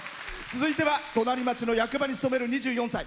続いては隣町の役場に勤める２４歳。